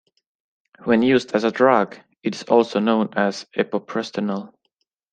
When used as a drug, it is also known as epoprostenol.